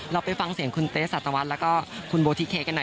เราไปฟังเสียงคุณเต๊สสตวรรค์แล้วก็คุณโบทิเคค่ะ